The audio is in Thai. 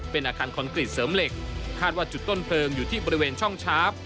เป็นอาคารคอนกรีตเสริมเหล็กคาดว่าจุดต้นเพลิงอยู่ที่บริเวณช่องชาร์ฟ